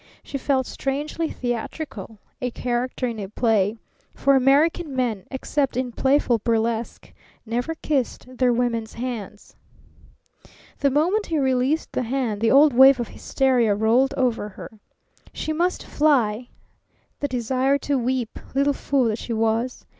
She felt strangely theatrical, a character in a play; for American men, except in playful burlesque, never kissed their women's hands. The moment he released the hand the old wave of hysteria rolled over her. She must fly. The desire to weep, little fool that she was!